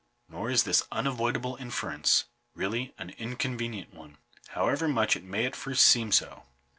Nor is this unavoidable inference really an inconvenient one ; however much it may at first seem so.